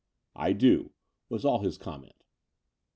"I do," was all his comment.